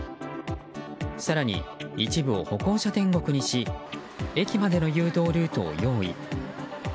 更に一部を歩行者天国にし駅までの誘導ルートを用意。